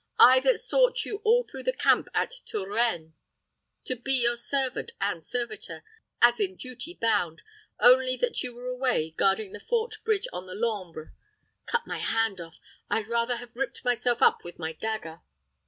I that sought you all through the camp at Terrouenne to be your servant and servitor, as in duty bound, only that you were away guarding the fort bridge on the Lambre! Cut my hand off! I'd rather have ripped myself up with my dagger."